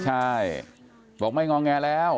ใช่บอกไม่งอแงแล้ว